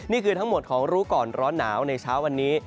นี่คือทั้งหมดของรู้ก่อนร้อนหนาวในเช้าวันนี้